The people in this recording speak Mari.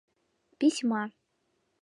Письма.